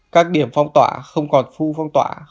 các điểm phong tỏa không còn phu phong tỏa